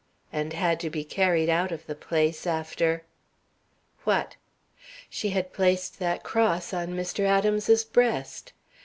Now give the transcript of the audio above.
"And had to be carried out of the place after " "What?" "She had placed that cross on Mr. Adams's breast.